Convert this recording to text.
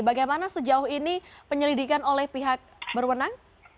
bagaimana sejauh ini penyelidikan oleh pihak berwenang